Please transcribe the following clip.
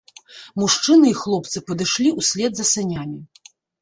Мужчыны і хлопцы падышлі ўслед за санямі.